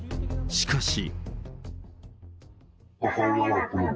しかし。